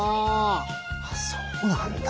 あっそうなんだ。